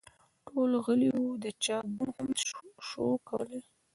ټول غلي وه ، چا بوڼ هم شو کولی !